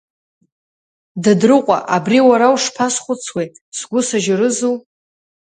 Дадрыҟәа абри уара ушԥазхәыцуеи, сгәы сажьарызу?